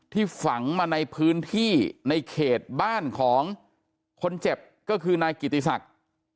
ฝังมาในพื้นที่ในเขตบ้านของคนเจ็บก็คือนายกิติศักดิ์